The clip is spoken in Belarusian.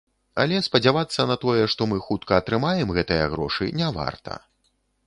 Але спадзявацца на тое, што мы хутка атрымаем гэтыя грошы, не варта.